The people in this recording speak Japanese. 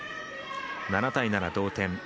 ７対７、同点。